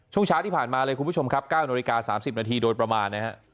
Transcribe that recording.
ช่วงช้าที่ผ่านมาเลยคุณผู้ชมครับ๙น๓๐นโดยประมาณ